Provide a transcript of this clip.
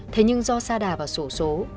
thế nhưng do xa đà và sổ số